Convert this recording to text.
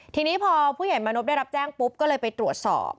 ทีนี้พอผู้ใหญ่มานพได้รับแจ้งปุ๊บก็เลยไปตรวจสอบ